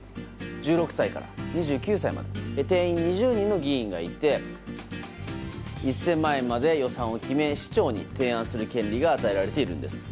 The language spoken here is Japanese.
１６歳から２９歳まで定員２０人の議員がいて１０００万円まで予算を決め市長に提案する権利が与えられているんです。